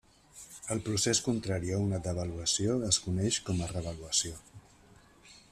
El procés contrari a una devaluació es coneix com a revaluació.